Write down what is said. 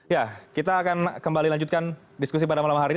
ya kita akan kembali lanjutkan diskusi pada malam hari ini